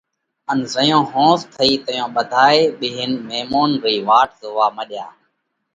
ان زئيون ۿونز ٿئِي تئيون ٻڌائي ٻيهينَ ميمونَ رئي واٽ زوئا مڏيا۔